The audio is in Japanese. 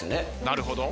なるほど。